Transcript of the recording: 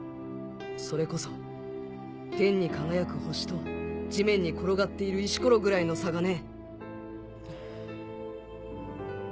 それこそ天に輝く星と地面に転がっている石ころぐらいの差がね。